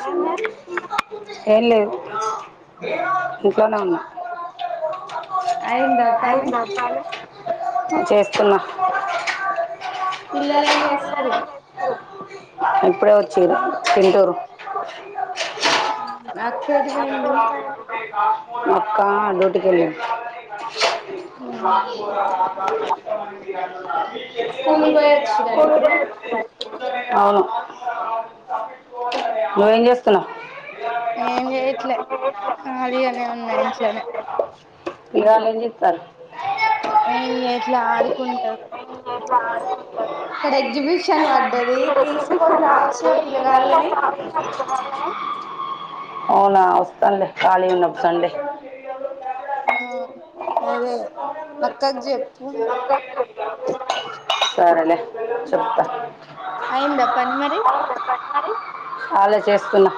సన్న [unintelligible] ఇంట్లో నే ఉన్నా. అయిందా పని చేస్తున్నా పిల్లలు ఏం చేస్తురు ఇప్పుడే వచ్చిర్రు తింటూరు. అక్క ఎటు పోయింది మక్కా రోటీ పల్లీలు [inaudible] స్కూల్ పోయి వచ్చిరా ఇప్పుడే. అవును నువ్వేం చేస్తున్నావు. ఏం చేయట్లే ఖాళీగానే ఉన్నా ఇంట్లోనే ఇ గానీ ఏ ఎట్లా ఆడుకుంటారు. ఇక్కడ ఎగ్జిబిషన్ పడ్డది తీసుకొని రావచ్చు గదా పిల్లగాళ్లని. [inaudible] అవునా! వస్తాను లే ఖాళీ ఉన్నప్పుడు సండే. మ్, అదే అక్కకు చెప్పు. సరేలే, చెప్తా. అయిందా పని మరి కాలే చేస్తూన్న.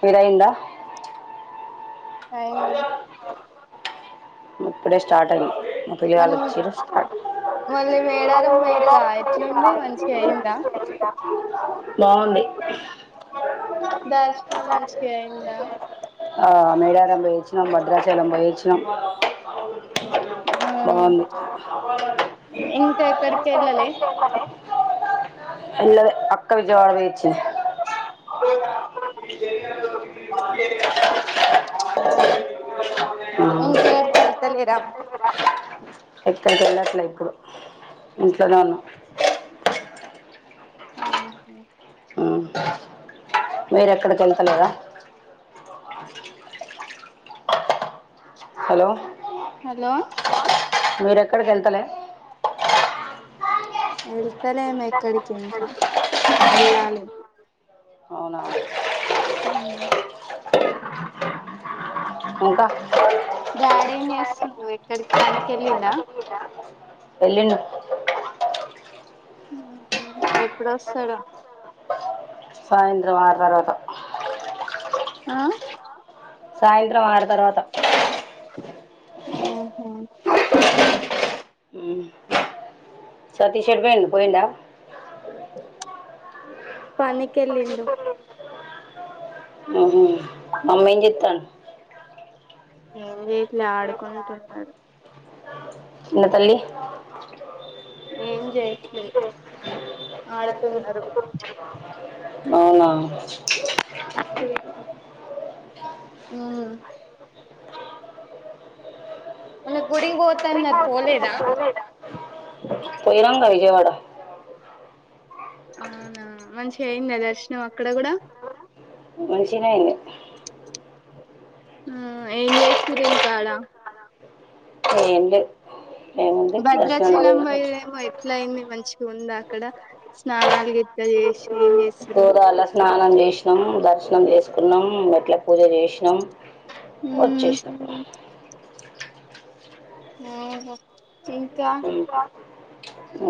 మీది అయిందా? అయ్యింది. ఇప్పుడే స్టార్ట్ అయింది మా పిలగాళ్ళూ మనం వచ్చిర్రు. మళ్ళీ మ మేడారం ఎల పోయిరుగా ఎట్లుంది మంచిగా అయిందా [unintelligible] బాగుంది డాన్స్ [unintelligible] మంచిగా అయిందా వచ్చినాం భద్రాచలం పోయచ్చినామ్ ఆ బాగుంది. ఇంకా ఎక్కడికి వెళ్ళలే ఎల్లాలే అక్క విజయవాడ పోయివచ్చింది. [inaudible] ఇంకేటి సేత్తలేదా మీరు? ఎక్కడికి వెళ్ళట్లే ఇప్పుడు ఇంట్లోనే ఉన్నా. ఆ మీర ఎక్కడికి వెళ్తాలేరా? [inaudible] హలో! హలో మీరు ఎక్కడికి వెళ్తలే? వెళ్తలేము ఎక్కడికి ఇంకా వెళ్ళాలి. అవునా మ్ ఇంకా డాడీ ఏంచేస్తూండా ఎక్కడికి పనికి వెళ్ళిండా వెళ్లిండు ఎప్పుడొస్తాడో? సాయంత్రం ఆరు తర్వాత మ్ సాయంత్రం ఆరు తర్వాత [inaudible] ఉమ్. సతీష్ ఎటూ పోయిండు పోయిండా? పనికెళ్ళిండ్ అమ్మ ఏంజెత్తాంది? ఏం చేయట్లే ఆడుకుంటున్నాడు. ఇ తల్లి. ఏం చెయ్యట్లే అవునా ఉమ్ మల్లా గుడికి పోత తన్నారు పోలేదా పోయినాంగా విజయవాడ అవునా మంచిగా అయింద దర్శనం అక్కడ కూడా మంచిగానే అయింది ఉమ్ ఏం చేసినారు ఇంకాడ ఏం లేదు ఏముంది దర్శనం భద్రాచలం పోయి పో ఏమో ఎట్లా అయింది మంచిగా ఉందా అక్కడ స్నానాలు గిట్ల చేసి ఏం చేసిర్రు గోదారిల స్నానం చేసినాం దర్శనం చేసుకున్నాం గ ట్ల పూజ చేసినాం వచ్చేసినాం ఉహ్ హా ఇంకా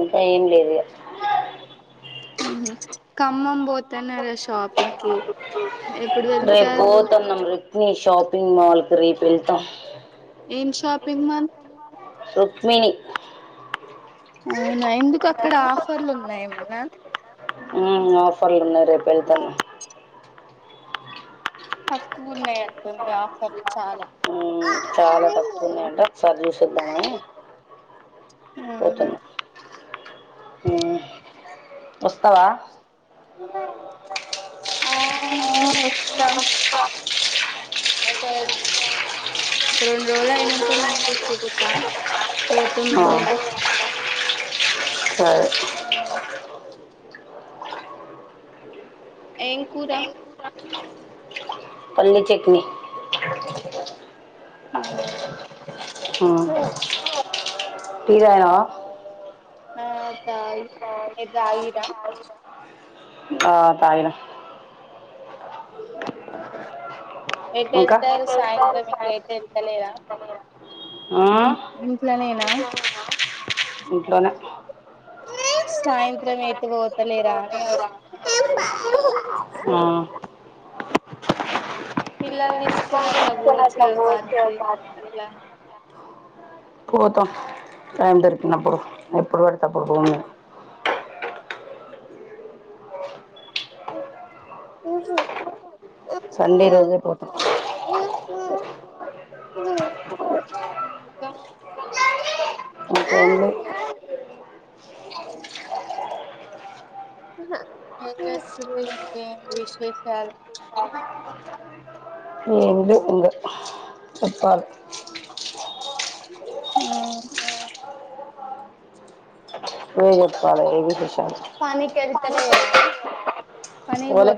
ఇంకా ఏం లేదు ఇక [inaudible] ఉమ్ ఖమ్మం పోతున్నారా షాపింగ్ కి ఎప్పుడు రేపు వెళ్తారు పోతున్నాం రిక్మి షాపింగ్ మాల్ క రేపు వెళ్తాం ఏం షాపింగ్ మాల్ రుక్మిణి అవునా ఎందుకు అక్కడ ఆఫర్లు ఉన్నాయ ఏమైనా ఉమ్ ఆఫర్లు ఉన్నాయి రేపు వెళ్తాను తక్కువ ఉన్నాయి అంటుంది ఆఫర్లు చాలా ఉమ్ చాలా తక్కు అవునా ఉన్నాయంట ఒకసారి చూసిద్దామని ఉంహు ఉమ్ వస్తవా ఉ [inaudible] అవును నేను వస్తం ఒక రెండు రోలా అయినాకనే ఏం కూడా చూగుతా పోతం ఆ ఏం కూడా సరే హ [inaudible] [inaudible] ఏం కూూరా పల్లి చట్నీ ఉమ్ టీ తాగినవా ఆఆహ్ చాయ్ నేను తాగిన అహ్ తాగిన అ [inaudible] ఎటు వెళ్తారు సాయంత్రం ఇంకా ఎటు వెళ్తలేరా ఆ ఉమ్హ్ ఇంట్లోనేనా ఇంట్లోనే సాయంత్రం ఐతే పోతలేరాా అని అడిగింది ఉమ్ పిల్లలు తీసుకొని అట్లా పోవచ్చు కదా పార్కి ఓకే అట్లా పోతాం టైం దొరికినప్పుడు ఎప్పుడు పెడితేప్పుడు పోము [inaudible] ఉహూ హు సండే రోజే పోతాం ఇంకా ఇంకేంలే ఏం చేస్తుంది ఏంటి విశేషాలు ఏం లే ఇంకా చెప్పాలా ఉమ్ నువ్వే చెప్పాలా ఏ విశేష పనికెళ్తలేరా పోలే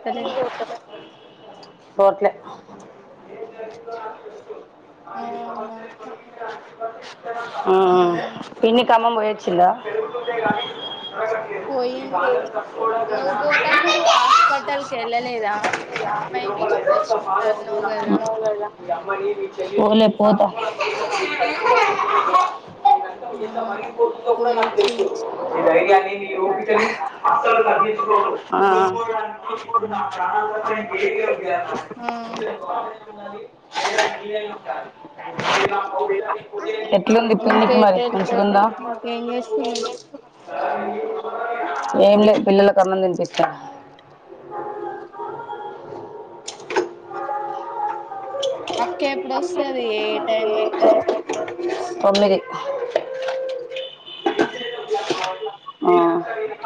పోవట్లే ప్చ్ ఉమ్ పిన్ని కమ్మం పోయొచ్చిందా పోయింది నువ్వు పోతాంటే నువ్వు హాస్పిటల్కి వెళ్ళలేదా యా ఏమైంది పని చూపించుకుంటన్నావు కదా అవ్వలేదా పోలే పోతా అ పోతు నా తెలుసు ఇదియగా ఓపికని అస్సలు తించుకో ఆ ఆ ఇ ఎట్లుంది పిన్నికి ఇంకేట మరి మంచిగుందా ఆ ఏం లే పిల్లలలకు అన్నం తినిపిస్తాన్న అక్క ఎప్పుడు వస్తది ఏ టైం అయితది తొమ్మిది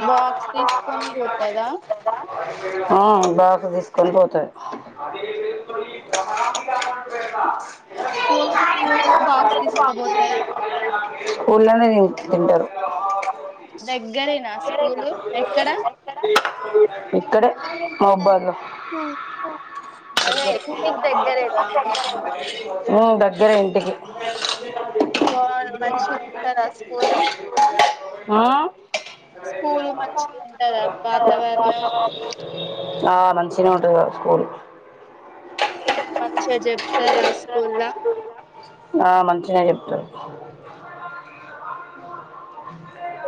బాక్స్ తీసుకొని పోతదా ఆ ఆ బాక్స్ తీసుకొని పోతాది అ ఫోన్ పే [unintelligible] బాక్స్ తీసుకపోత ఊర్లోనే దగ్గరేనా స్కూలు ఎక్కడ ఇక్కడే [unintelligible] లో అదే మీ ఇంటికి దగ్గరేనా దగ్గర ఇంటికి [unintelligible] మంచిగుంటద ఆ స్కూలు ఆ స్కూల్ మంచిగా ఉంటదా వాతావరణం ఆ మంచిగనే ఉంటది కా స్కూల్ మంచిగ చెప్తారా ఆ స్కూళ్ళ ఆ మంచిగనే చెప్తారు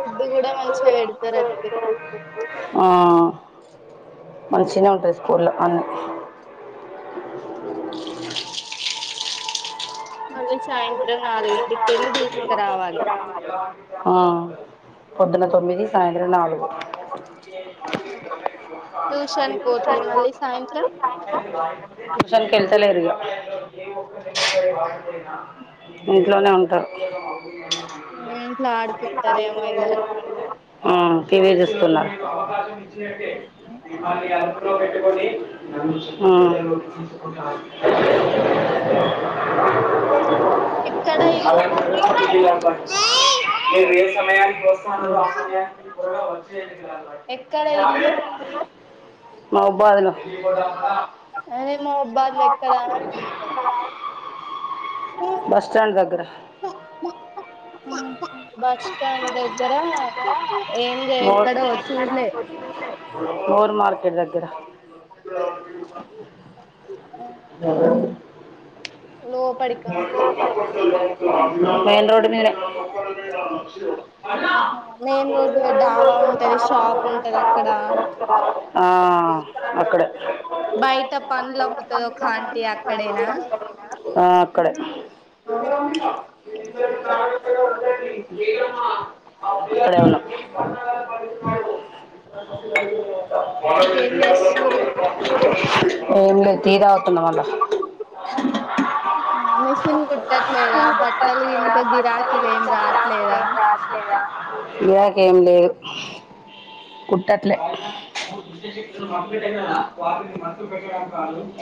ఫుడ్ కూడా మంచిగా పెడతారు అట్లకి నుంచి ఎప్పుడు వరకు స్కూలు ఆ మంచిగనె ఉంటది స్కూల్లో అన్నీ [unintelligible] మళ్ళీ సాయం [unintelligible] ఆ పొద్దున తొమ్మిది సాయంత్రం నాలుగు అ ట్యూషన్ కి పోతారా మళ్ళీ సాయంత్రం ట్యూషన్ కి వెళ్తా లేరు ఇగ ఇంట్లోనే ఉంటారు ఇంట్లో ఆడుకుంటారేమో ఇగ [unintelligible] ఉమ్ టీవీ చూస్తున్నారు ఉమ్ ఎక్కడ ఇల్లు మీది అ రే ఎక్కడ ఉండేది ఎక్కడ ఇల్లు మీరు మెహబూబాద్ లో అదే మహబాద్ లో ఎక్కడ [unintelligible] రితి [inaudible] బస్టాండ్ దగ్గర ఉహూ బస్ స్టాండ్ దగ్గర ఏం చేస్తాడు చూడలే బోరు మార్కెట్ దగ్గర ఆహ [inaudible] లోపడికి మెయిన్ రోడ్ మీద హ మెయిన్ రోడ్ మీద డాబా ఉంటది షాప్ ఉంటది అక్కడ అహ్ అక్కడే బయట పండ్లు అమ్ముతది ఒక ఆంటీ అక్కడేనా అహ్ అక్కడే అ [inaudible] ఏదమ్మా ఒసేయ్ గీత [inaudible] అక్కడే ఉన్నాం [inaudible] ఇంకేం చేస్తుర్రు ఎంలే టీ తాగుత్తనం మల్లా కుుట్టట్లేదా బట్టలు ఇంకా గిరాకీలు ఏంలే రావట్లేదా గిరాకీ ఏమి లేదు కుట్టట్లే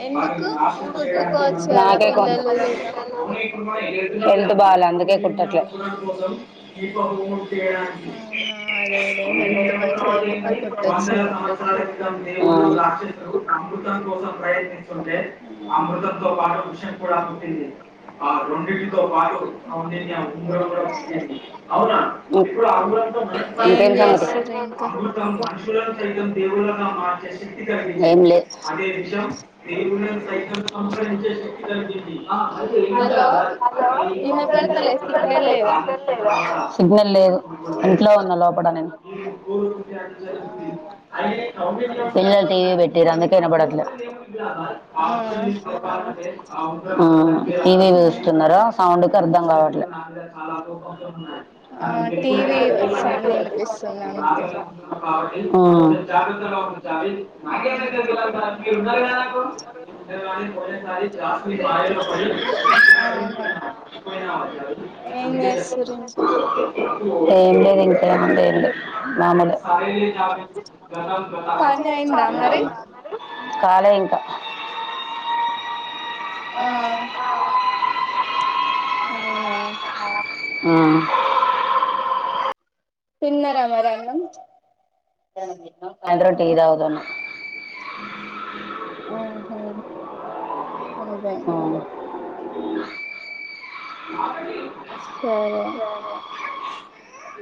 ఎందుకు కుట్టుకోవచ్చు కదా నాకే కొ పిల్లలు లేనప్పుడు హెల్త్ బాగాాలి అందుకే కుట్టట్లే ఉమ్ అదేలే ఉమ్ ప్రయత్నిస్తుంటే అమృతం తో పాటు వి షం కూడా పుట్టింది అవునా ఏం ఇంకేమి సంగతులు చేస్తుర్రు ఇంకా ఏం లేదు సంపరించక్ [inaudible] హలో వినపడతలే సిగ్నల్ లేదా సిగ్నల్ లేదు ఇంట్లో ఉన్నా లోపటా నేను పిల్లలు టీవి పెట్టినారు అందుకే వినపడట్లేదు ఉమ్ టీవీ చూస్తున్నారా సౌండ్ కి అర్ధం కావట్లే ఆ అే టీవీ సౌండ్ వినిపిస్తుంది అందుకే [inaudible] ఉమ్ అవునా ఉవా కొ స చ బ లో ప [inaudible] అవునా [inaudible] ఇంకా ఏం లేదు ఇంక ఏమ లేదు మాము లే సరైలేవ గతం గత పని అయిందా మరి [inaudible] కాలే ఇంకా ఉమ్ అవునా ఉమ్. తిన్నారా మరి అన్నం ఉమ్ సాయంత్రం టీ తాగుతాను అే [inaudible] సే [inaudible]